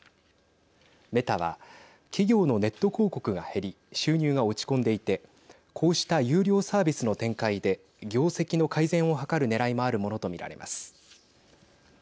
メタは企業のネット広告が減り収入が落ち込んでいてこうした有料サービスの展開で業績の改善を図るねらいもあるものと見られます。